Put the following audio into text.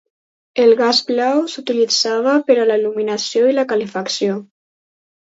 El gas blau s'utilitzava per a la il·luminació i la calefacció.